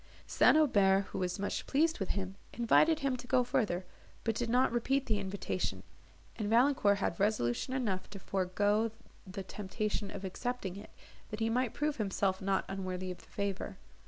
St. Aubert, who was much pleased with him, invited him to go further, but did not repeat the invitation, and Valancourt had resolution enough to forego the temptation of accepting it, that he might prove himself not unworthy of the favour.